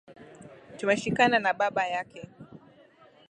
Tumeshikana na baba yake